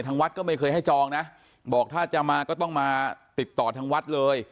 วัดก็ไม่เคยให้จองนะบอกถ้าจะมาก็ต้องมาติดต่อทางวัดเลย